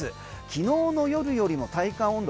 昨日の夜よりも体感温度